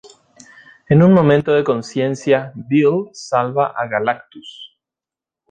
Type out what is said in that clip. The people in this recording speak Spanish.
En un momento de conciencia, Bill salva a Galactus.